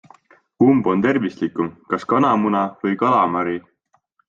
Kumb on tervislikum, kas kanamuna või kalamari?